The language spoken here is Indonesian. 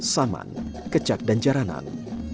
saman kecak dan jaranan